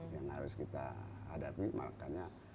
yang harus kita hadapi makanya